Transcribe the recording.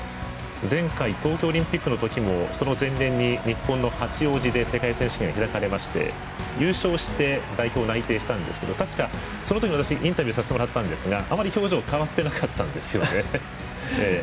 前回東京オリンピックの時も、前年日本の八王子で世界選手権が開かれまして優勝して代表内定したんですがその時も私もインタビューさせていただいてあまり表情変わっていなかったんですよね。